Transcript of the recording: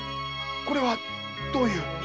これはどういう？